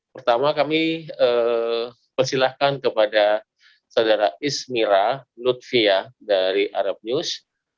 pertama kami persilahkan kepada saudara ismira lutfia dari arab news